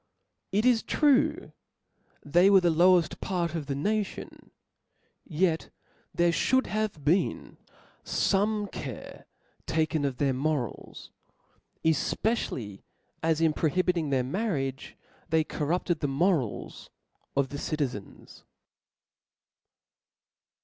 It is true, they were the lowed part of the nation , yet there fliould have been fo'me care taken of their morals ; efpjccially, as in prohibithig their marriage, they corrupted the morals of the citizens.